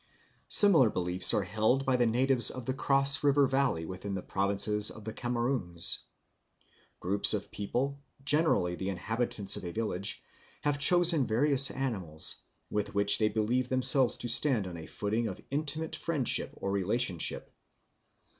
Similar beliefs are held by the natives of the Cross River valley within the provinces of the Cameroons. Groups of people, generally the inhabitants of a village, have chosen various animals, with which they believe themselves to stand on a footing of intimate friendship or relationship.